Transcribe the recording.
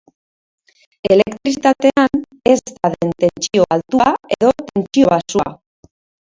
Elektrizitatean ez da den tentsio altua edo tentsio baxua.